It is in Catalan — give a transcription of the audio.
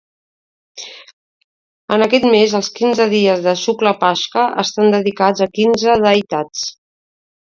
En aquest mes, els quinze dies de Shukla Paksha estan dedicats a quinze deïtats.